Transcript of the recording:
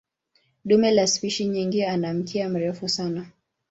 Dume la spishi nyingi ana mkia mrefu sana.